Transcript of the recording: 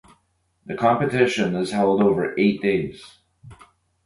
The competition is held over eight days.